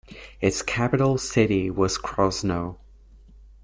Its capital city was Krosno.